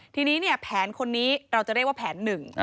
ทีนี้เนี่ยแผนคนนี้เราจะเรียกว่าแผนหนึ่ง